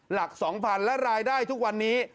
หลัก๒๐๐๐และรายได้ทุกวันนี้